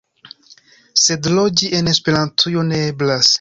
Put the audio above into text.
Sed loĝi en Esperantujo ne eblas.